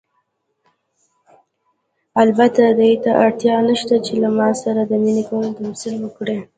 البته دې ته اړتیا نشته چې له ما سره د مینې کولو تمثیل وکړئ.